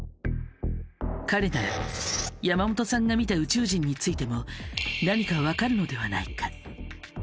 彼なら山本さんが見た宇宙人についても何かわかるのではないか。